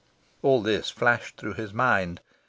All this flashed through his mind.